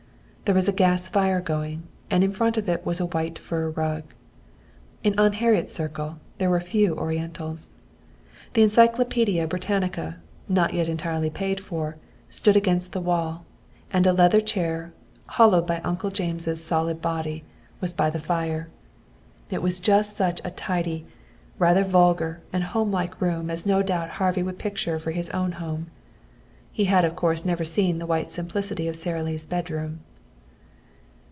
There was a gas fire going, and in front of it was a white fur rug. In Aunt Harriet's circle there were few orientals. The Encyclopaedia Britannica, not yet entirely paid for, stood against the wall, and a leather chair, hollowed by Uncle James' solid body, was by the fire. It was just such a tidy, rather vulgar and homelike room as no doubt Harvey would picture for his own home. He had of course never seen the white simplicity of Sara Lee's bedroom.